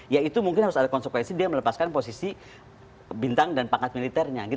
ya itu mungkin harus ada konsekuensi dia melepaskan posisi bintang dan pangkat militernya